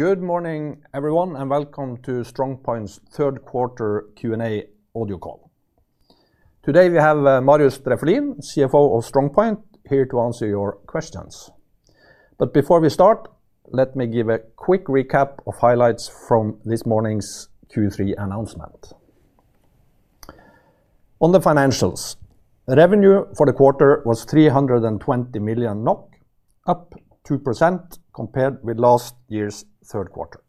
Good morning, everyone, and welcome to StrongPoint's third quarter Q&A audio call. Today, we have Marius Drefvelin, CFO of StrongPoint, here to answer your questions. Before we start, let me give a quick recap of highlights from this morning's Q3 announcement. On the financials, revenue for the quarter was 320 million NOK, up 2% compared with last year's third quarter.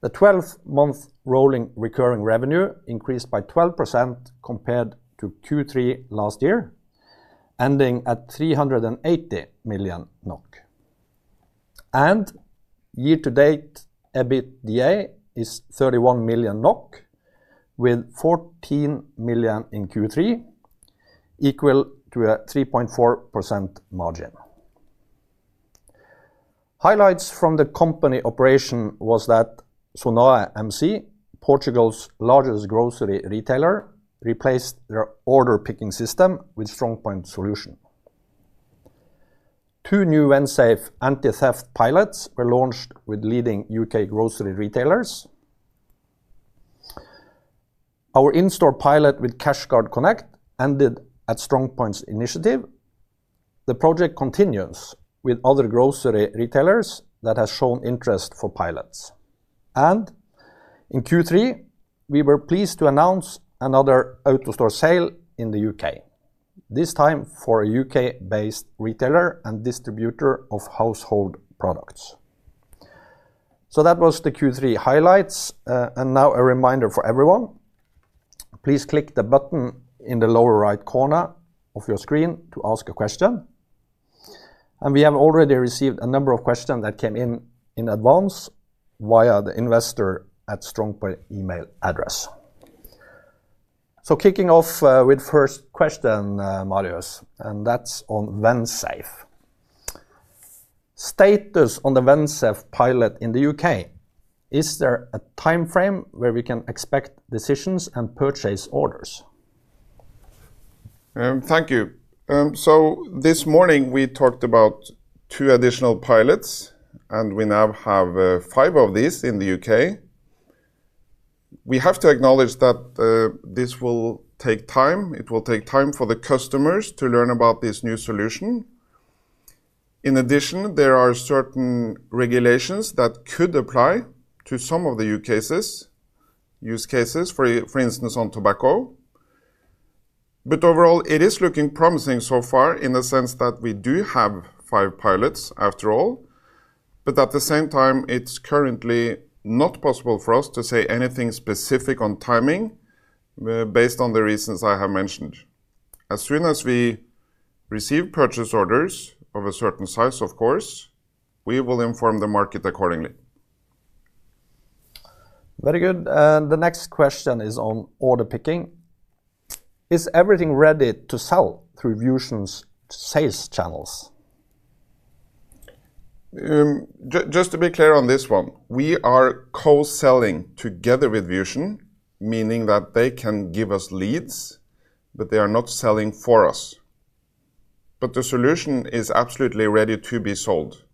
The 12-month rolling recurring revenue increased by 12% compared to Q3 last year, ending at 380 million NOK. Year-to-date EBITDA is 31 million NOK, with 14 million in Q3, equal to a 3.4% margin. Highlights from the company operation were that Sonae MC, Portugal's largest grocery retailer, replaced their order-picking system with StrongPoint's solution. Two new Ensaf anti-theft pilots were launched with leading U.K. grocery retailers. Our in-store pilot with CashGuard Connect ended at StrongPoint's initiative. The project continues with other grocery retailers that have shown interest for pilots. In Q3, we were pleased to announce another out-of-store sale in the U.K., this time for a U.K.-based retailer and distributor of household products. That was the Q3 highlights. A reminder for everyone, please click the button in the lower right corner of your screen to ask a question. We have already received a number of questions that came in in advance via the investor@strongpoint email address. Kicking off with the first question, Marius, and that's on VenSafe. Status on the VenSafe pilot in the U.K. Is there a time frame where we can expect decisions and purchase orders? Thank you. This morning, we talked about two additional pilots, and we now have five of these in the U.K. We have to acknowledge that this will take time. It will take time for the customers to learn about this new solution. In addition, there are certain regulations that could apply to some of the use cases, for instance, on tobacco. Overall, it is looking promising so far in the sense that we do have five pilots after all. At the same time, it's currently not possible for us to say anything specific on timing based on the reasons I have mentioned. As soon as we receive purchase orders of a certain size, of course, we will inform the market accordingly. Very good. The next question is on order picking. Is everything ready to sell through Vusion's sales channels? Just to be clear on this one, we are co-selling together with Vusion, meaning that they can give us leads, but they are not selling for us. The solution is absolutely ready to be sold.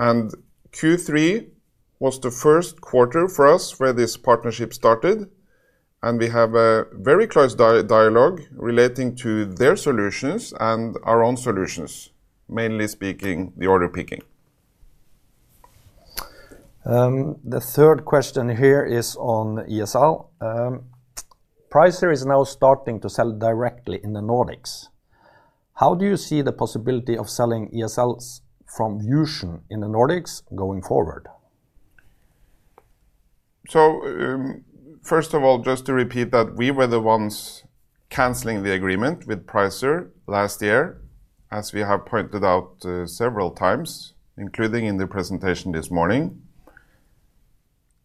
Q3 was the first quarter for us where this partnership started. We have a very close dialogue relating to their solutions and our own solutions, mainly speaking the order picking. The third question here is on ESL. Pricer is now starting to sell directly in the Nordics. How do you see the possibility of selling ESL from Vusion in the Nordics going forward? First of all, just to repeat that we were the ones canceling the agreement with Pricer last year, as we have pointed out several times, including in the presentation this morning.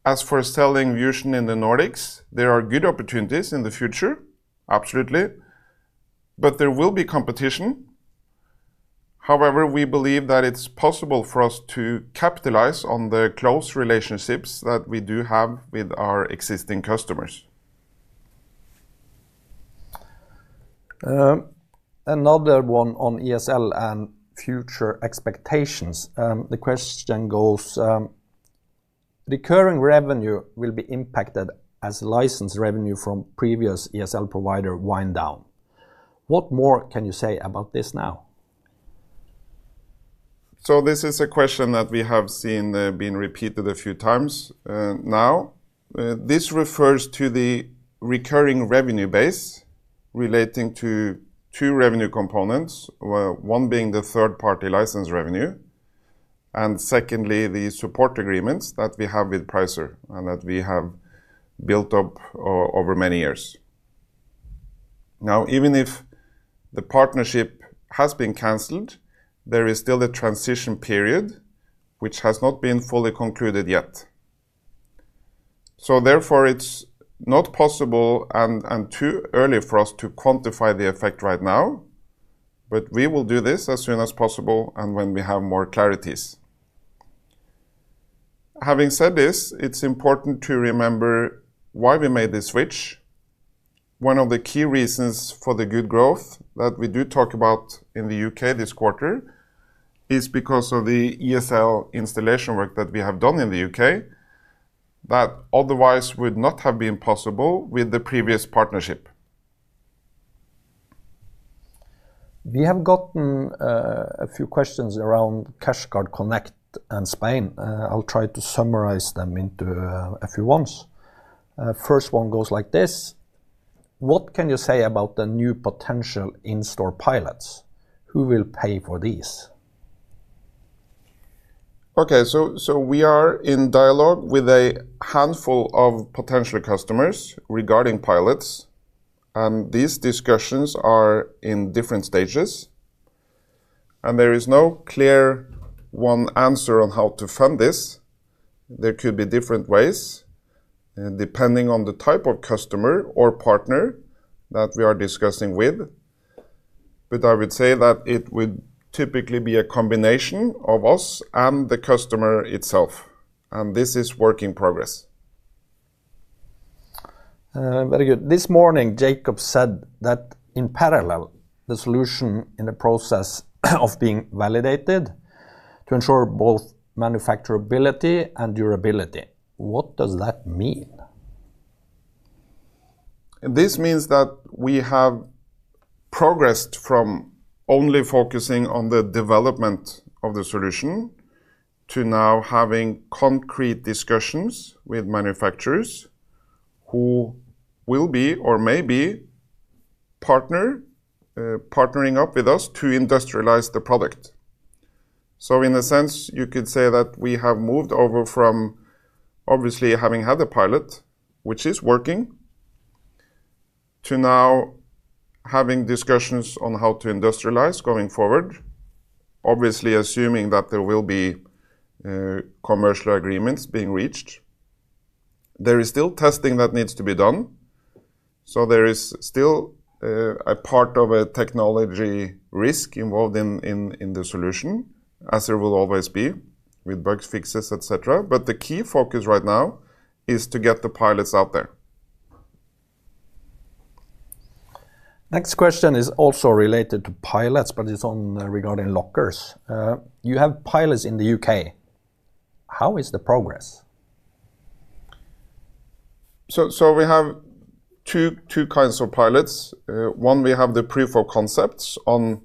As for selling Vusion in the Nordics, there are good opportunities in the future, absolutely. There will be competition. However, we believe that it's possible for us to capitalize on the close relationships that we do have with our existing customers. Another one on ESL and future expectations. The question goes, recurring revenue will be impacted as license revenue from previous ESL provider winds down. What more can you say about this now? This is a question that we have seen being repeated a few times now. This refers to the recurring revenue base relating to two revenue components, one being the third-party license revenue, and secondly, the support agreements that we have with Pricer and that we have built up over many years. Even if the partnership has been canceled, there is still a transition period which has not been fully concluded yet. Therefore, it's not possible and too early for us to quantify the effect right now. We will do this as soon as possible and when we have more clarities. Having said this, it's important to remember why we made this switch. One of the key reasons for the good growth that we do talk about in the U.K. this quarter is because of the ESL installation work that we have done in the U.K. that otherwise would not have been possible with the previous partnership. We have gotten a few questions around CashGuard Connect and Spain. I'll try to summarize them into a few ones. First one goes like this: what can you say about the new potential in-store pilots? Who will pay for these? Okay, we are in dialogue with a handful of potential customers regarding pilots. These discussions are in different stages, and there is no clear one answer on how to fund this. There could be different ways depending on the type of customer or partner that we are discussing with. I would say that it would typically be a combination of us and the customer itself. This is a work in progress. Very good. This morning, Jacob said that in parallel, the solution is in the process of being validated to ensure both manufacturability and durability. What does that mean? This means that we have progressed from only focusing on the development of the solution to now having concrete discussions with manufacturers who will be or may be partnering up with us to industrialize the product. In a sense, you could say that we have moved over from obviously having had a pilot, which is working, to now having discussions on how to industrialize going forward, obviously assuming that there will be commercial agreements being reached. There is still testing that needs to be done. There is still a part of a technology risk involved in the solution, as there will always be with bugs, fixes, etc. The key focus right now is to get the pilots out there. Next question is also related to pilots, but it's regarding lockers. You have pilots in the U.K. How is the progress? We have two kinds of pilots. One, we have the proof of concepts on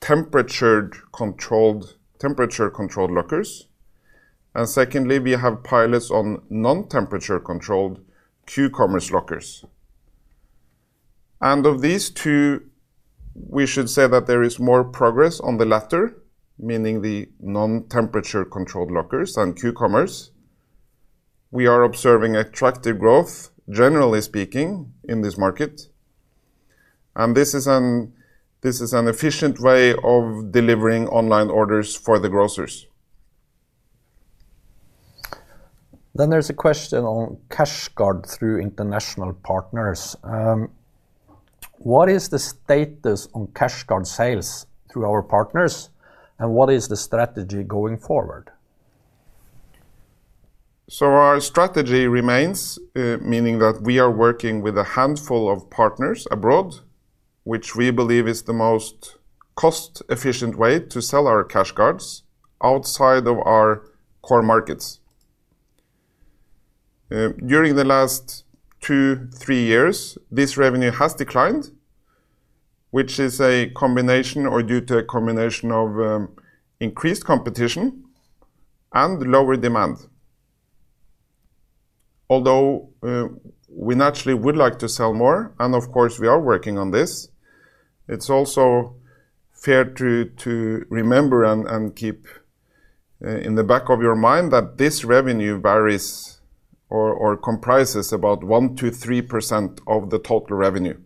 temperature-controlled lockers. Secondly, we have pilots on non-temperature-controlled Q-commerce lockers. Of these two, we should say that there is more progress on the latter, meaning the non-temperature-controlled lockers and Q-commerce. We are observing attractive growth, generally speaking, in this market. This is an efficient way of delivering online orders for the grocers. There is a question on CashGuard through international partners. What is the status on CashGuard sales through our partners? What is the strategy going forward? Our strategy remains, meaning that we are working with a handful of partners abroad, which we believe is the most cost-efficient way to sell our CashGuard outside of our core markets. During the last two, three years, this revenue has declined, which is a combination or due to a combination of increased competition and lower demand. Although we naturally would like to sell more, and of course, we are working on this, it's also fair to remember and keep in the back of your mind that this revenue varies or comprises about 1%-3% of the total revenue.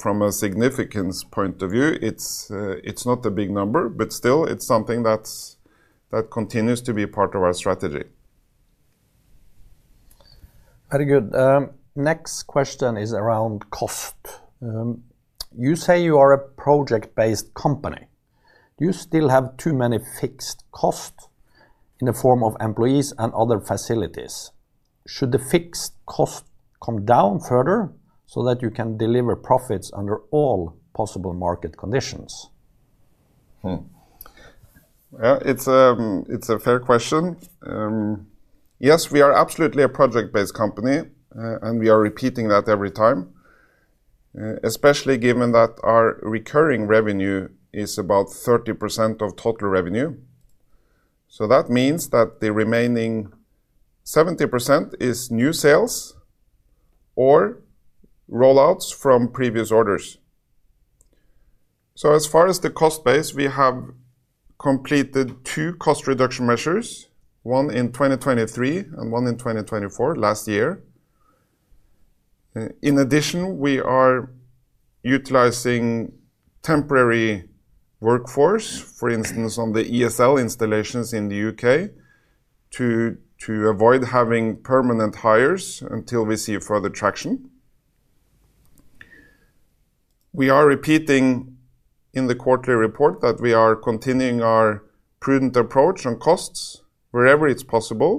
From a significance point of view, it's not a big number, but still, it's something that continues to be part of our strategy. Very good. Next question is around cost. You say you are a project-based company. Do you still have too many fixed costs in the form of employees and other facilities? Should the fixed costs come down further so that you can deliver profits under all possible market conditions? It's a fair question. Yes, we are absolutely a project-based company, and we are repeating that every time, especially given that our recurring revenue is about 30% of total revenue. That means that the remaining 70% is new sales or rollouts from previous orders. As far as the cost base, we have completed two cost reduction measures, one in 2023 and one in 2024, last year. In addition, we are utilizing temporary workforce, for instance, on the electronic shelf labels installations in the U.K. to avoid having permanent hires until we see further traction. We are repeating in the quarterly report that we are continuing our prudent approach on costs wherever it's possible.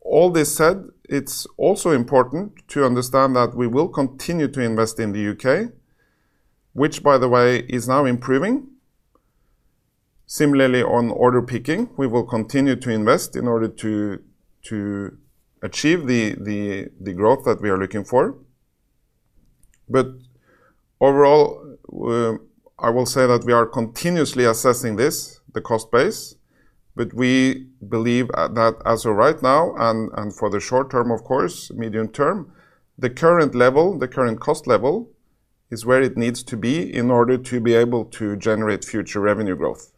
All this said, it's also important to understand that we will continue to invest in the U.K., which, by the way, is now improving. Similarly, on order picking, we will continue to invest in order to achieve the growth that we are looking for. Overall, I will say that we are continuously assessing this, the cost base. We believe that as of right now, and for the short term, of course, medium term, the current level, the current cost level is where it needs to be in order to be able to generate future revenue growth.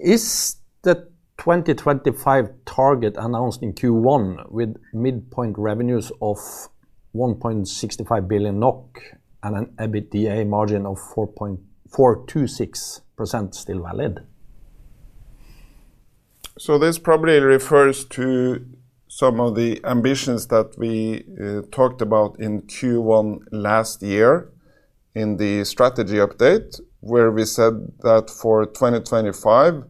Is the 2025 target announced in Q1 with midpoint revenues of 1.65 billion NOK and an EBITDA margin of 4.426% still valid? This probably refers to some of the ambitions that we talked about in Q1 last year in the strategy update, where we said that for 2025,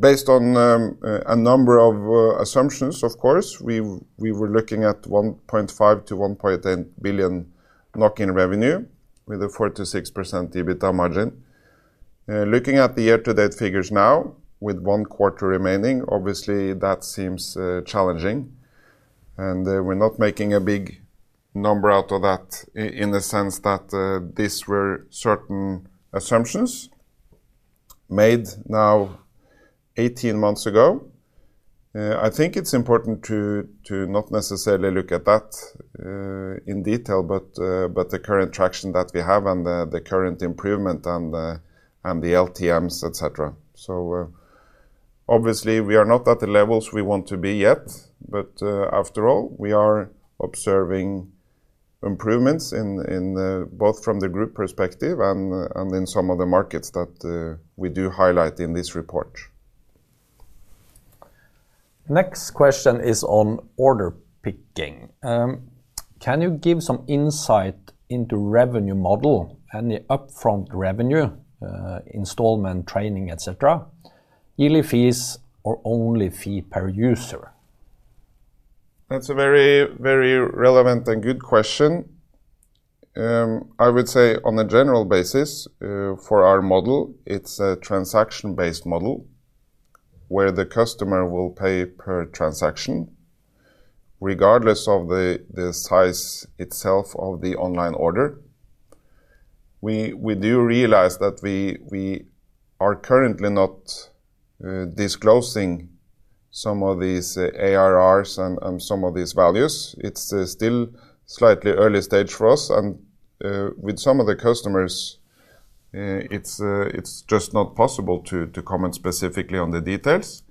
based on a number of assumptions, of course, we were looking at 1.5-1.8 billion in revenue with a 4%-6% EBITDA margin. Looking at the year-to-date figures now, with one quarter remaining, obviously, that seems challenging. We're not making a big number out of that in the sense that these were certain assumptions made now 18 months ago. I think it's important to not necessarily look at that in detail, but the current traction that we have and the current improvement and the LTMs, et cetera. Obviously, we are not at the levels we want to be yet. After all, we are observing improvements both from the group perspective and in some of the markets that we do highlight in this report. Next question is on order picking. Can you give some insight into the revenue model, any upfront revenue, installment, training, et cetera, yearly fees, or only fee per user? That's a very, very relevant and good question. I would say on a general basis for our model, it's a transaction-based model where the customer will pay per transaction regardless of the size itself of the online order. We do realize that we are currently not disclosing some of these ARRs and some of these values. It's still slightly early stage for us. With some of the customers, it's just not possible to comment specifically on the details.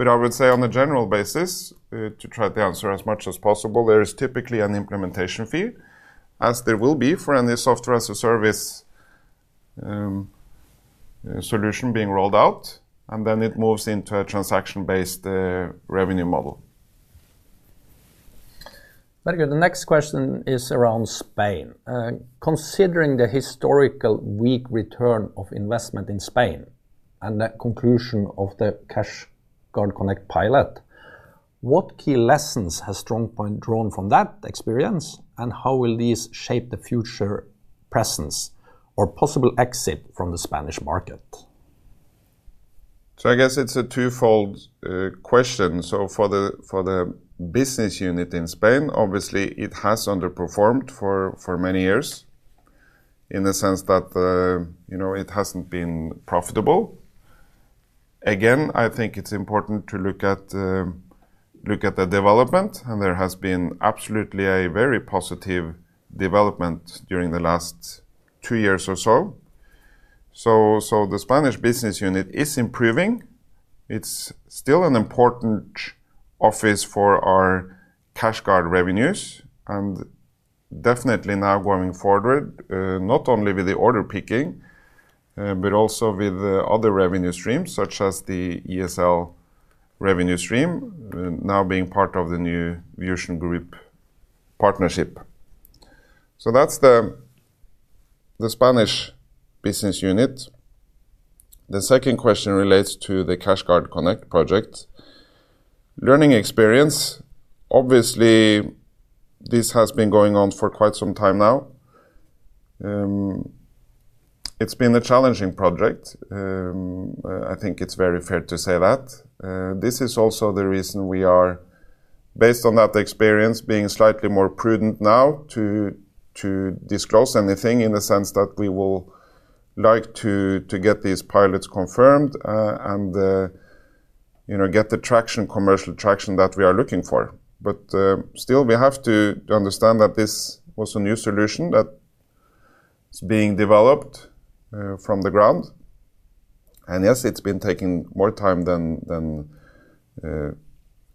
I would say on a general basis, to try to answer as much as possible, there is typically an implementation fee, as there will be for any software as a service solution being rolled out, and then it moves into a transaction-based revenue model. Very good. The next question is around Spain. Considering the historical weak return of investment in Spain and the conclusion of the CashGuard Connect pilot, what key lessons has StrongPoint drawn from that experience? How will these shape the future presence or possible exit from the Spanish market? I guess it's a twofold question. For the business unit in Spain, obviously, it has underperformed for many years in the sense that it hasn't been profitable. I think it's important to look at the development. There has been absolutely a very positive development during the last two years or so. The Spanish business unit is improving. It's still an important office for our CashGuard revenues. Definitely now going forward, not only with the order picking, but also with other revenue streams, such as the ESL revenue stream now being part of the new Vusion Group partnership. That's the Spanish business unit. The second question relates to the CashGuard Connect project. Learning experience, obviously, this has been going on for quite some time now. It's been a challenging project. I think it's very fair to say that. This is also the reason we are, based on that experience, being slightly more prudent now to disclose anything in the sense that we will like to get these pilots confirmed and get the traction, commercial traction that we are looking for. We have to understand that this was a new solution that is being developed from the ground. Yes, it's been taking more time than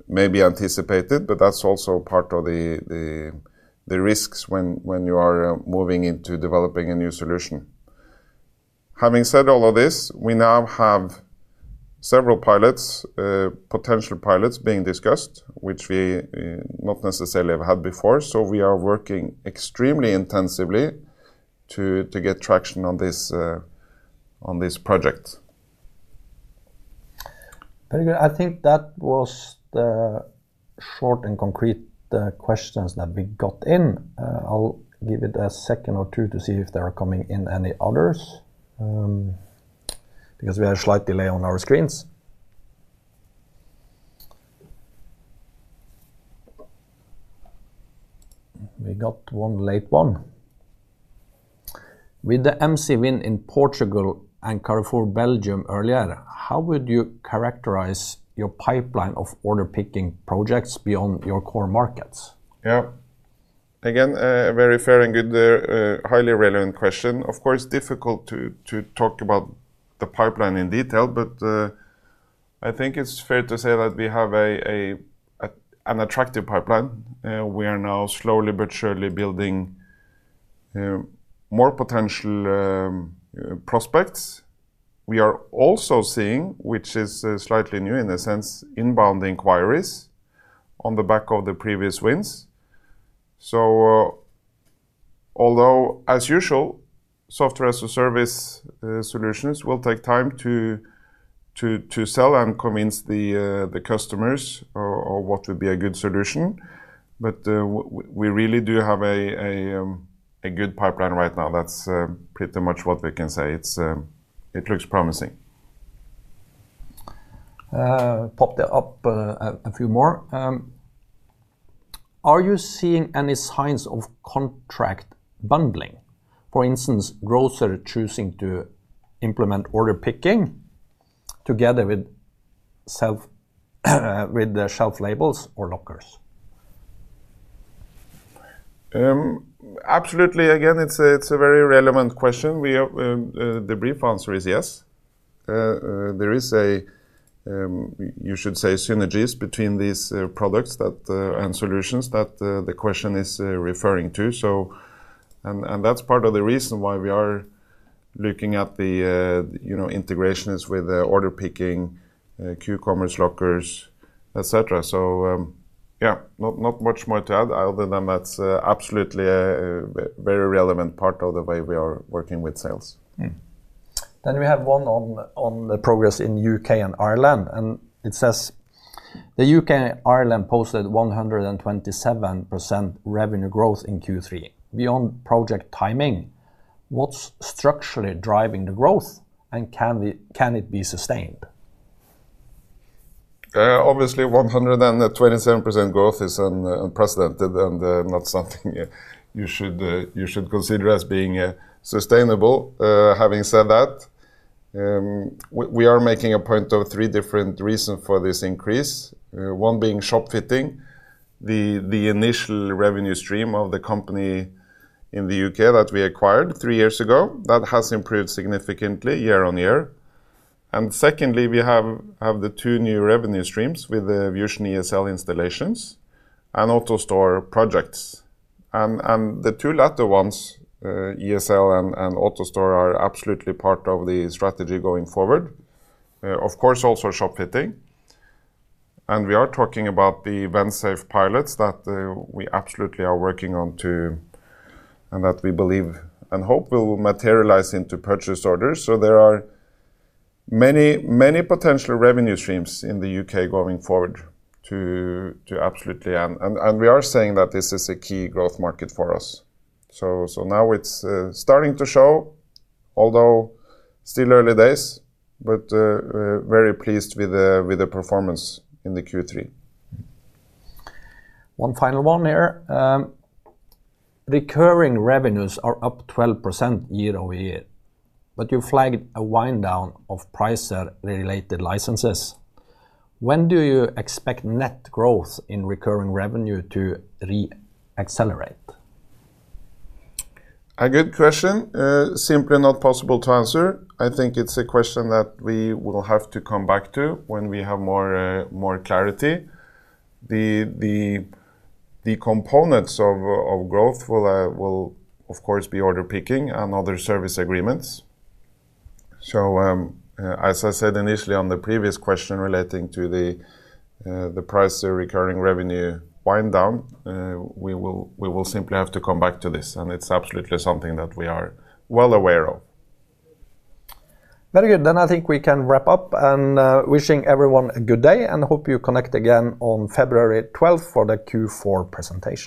maybe anticipated. That's also part of the risks when you are moving into developing a new solution. Having said all of this, we now have several pilots, potential pilots being discussed, which we not necessarily have had before. We are working extremely intensively to get traction on this project. Very good. I think that was the short and concrete questions that we got in. I'll give it a second or two to see if there are coming in any others because we had a slight delay on our screens. We got one late one. With the MC win in Portugal and Carrefour Belgium earlier, how would you characterize your pipeline of order picking projects beyond your core markets? Yeah, again, a very fair and good, highly relevant question. Of course, difficult to talk about the pipeline in detail. I think it's fair to say that we have an attractive pipeline. We are now slowly but surely building more potential prospects. We are also seeing, which is slightly new in a sense, inbound inquiries on the back of the previous wins. Although, as usual, software as a service solutions will take time to sell and convince the customers of what would be a good solution, we really do have a good pipeline right now. That's pretty much what we can say. It looks promising. I popped up a few more. Are you seeing any signs of contract bundling, for instance, grocer choosing to implement order picking together with electronic shelf labels or lockers? Absolutely. Again, it's a very relevant question. The brief answer is yes. There is, you should say, synergies between these products and solutions that the question is referring to. That's part of the reason why we are looking at the integrations with order picking, Q-commerce lockers, et cetera. Not much more to add other than that's absolutely a very relevant part of the way we are working with sales. We have one on the progress in the U.K. and Ireland. It says the U.K. and Ireland posted 127% revenue growth in Q3. Beyond project timing, what's structurally driving the growth? Can it be sustained? Obviously, 127% growth is unprecedented and not something you should consider as being sustainable. Having said that, we are making a point of three different reasons for this increase, one being shop fitting, the initial revenue stream of the company in the U.K. that we acquired three years ago. That has improved significantly year-on-year. Secondly, we have the two new revenue streams with the Vusion ESL installations and AutoStore projects. The two latter ones, ESL and AutoStore, are absolutely part of the strategy going forward. Of course, also shop fitting. We are talking about the VenSafe pilots that we absolutely are working on and that we believe and hope will materialize into purchase orders. There are many, many potential revenue streams in the U.K. going forward. We are saying that this is a key growth market for us. It is starting to show, although still early days, but very pleased with the performance in the Q3. One final one here. Recurring revenues are up 12% year-over-year. You flagged a wind-down of Pricer-related licenses. When do you expect net growth in recurring revenue to re-accelerate? A good question, simply not possible to answer. I think it's a question that we will have to come back to when we have more clarity. The components of growth will, of course, be order picking and other service agreements. As I said initially on the previous question relating to the Pricer recurring revenue wind-down, we will simply have to come back to this. It's absolutely something that we are well aware of. Very good. I think we can wrap up. Wishing everyone a good day and hope you connect again on February 12 for the Q4 presentation.